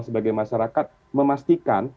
sebagai masyarakat memastikan